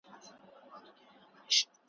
محتسب چي هره ورځ آزارولم ,